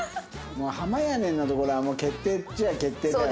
もうはまやねんのところは決定っちゃあ決定だよね。